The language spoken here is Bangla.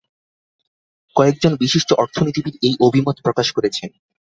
কয়েকজন বিশিষ্ট অর্থনীতিবিদ এই অভিমত প্রকাশ করেছেন।